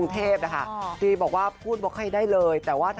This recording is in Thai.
ต้องมีคุณแดด